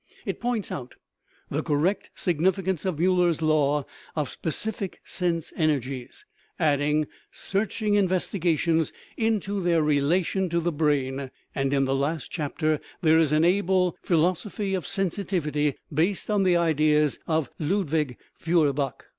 It points out the correct sig nificance of Muller's law of specific sense energies, adding searching investigations into their relation to the brain, and in the last chapter there is an able "phi losophy of sensitivity" based on the ideas of Ludwig Feuerbach.